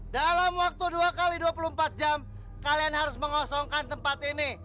dalam waktu dua x dua puluh empat jam kalian harus mengosongkan tempat ini